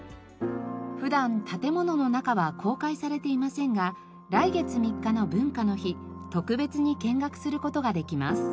普段建物の中は公開されていませんが来月３日の文化の日特別に見学する事ができます。